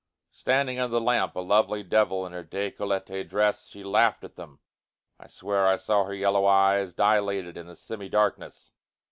Standing under the lamp, a lovely devil in her decolleté dress, she laughed at them. I swear I saw her yellow eyes, dilated in the semi darkness!